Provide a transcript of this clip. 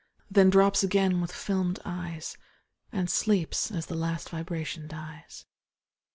Then drops again with fdmed eyes, And sleeps as the last vibration dies.